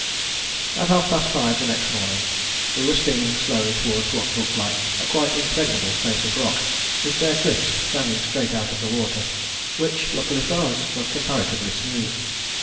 At half past five the next morning we were steaming slowly towards what looked like a quite impregnable face of rock, with bare cliffs standing straight out of the water, which, luckily for us, was comparatively smooth.